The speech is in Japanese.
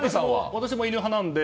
私も犬派なので。